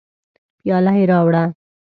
پیاله یې راوړه.